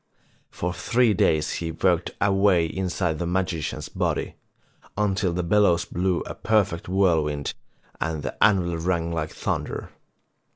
For three days he worked away inside the magician's body, until the bellows blew a perfect whirl wind and the anvilirang like thunder.